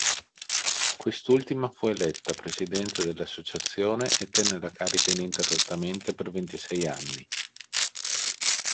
Quest'ultima fu eletta presidente dell'Associazione e tenne la carica ininterrottamente per ventisei anni.